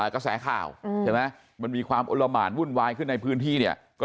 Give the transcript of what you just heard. แขวข่าวมันมีความอัุละมารวนวายขึ้นในพื้นที่เนี่ยก็